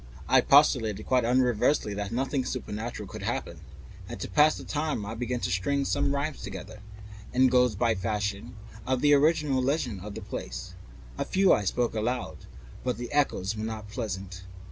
I postulated quite unreservedly that nothing supernatural could happen, and to pass the time I began stringing some rhymes together, Ingoldsby fashion, concerning the original legend of the place. A few I spoke aloud, but the echoes were not pleasant.